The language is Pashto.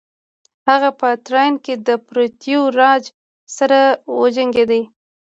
هغه په تراین کې د پرتیوي راج سره وجنګید.